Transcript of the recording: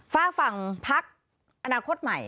ฟากฟังภักดิ์อนาคตใหม่